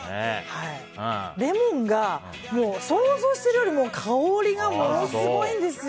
レモンが想像しているよりも香りがものすごいんですよ。